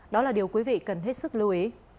đó là điều quý vị cần hết sức lưu ý